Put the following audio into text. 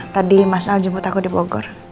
tadi mas al jemput aku di bogor